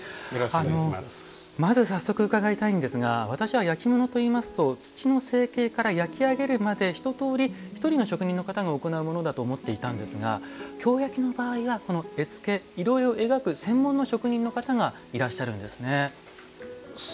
まず早速、伺いたいんですが私は焼き物といいますと土の成形から焼き上げるまで一とおり１人の職人の方が行うものと思っていたんですが京焼の場合は絵付け、色絵を描く専門の職人の方がいらっしゃるんですね。